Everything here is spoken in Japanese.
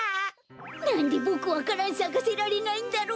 なんでボクわか蘭さかせられないんだろう。